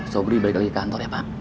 sobri balik lagi ke kantor ya pak